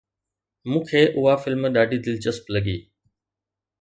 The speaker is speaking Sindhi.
مون کي اها فلم ڏاڍي دلچسپ لڳي